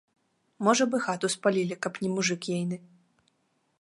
Можа б, і хату спалілі, каб не мужык ейны.